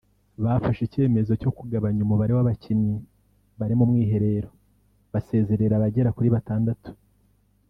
bafashe icyemezo cyo kugabanya umubare w’abakinnyi bari mu mwiherero basezerera abagera kuri batandatu